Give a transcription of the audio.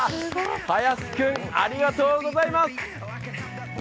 林君、ありがとうございます！